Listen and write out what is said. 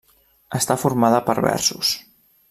Està formada per versos.